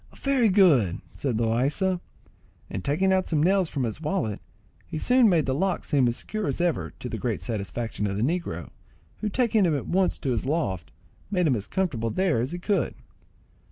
"Very good," said Loaysa, and taking out some nails from his wallet, he soon made the lock seem as secure as ever, to the great satisfaction of the negro, who, taking him at once to his loft, made him as comfortable there as he could.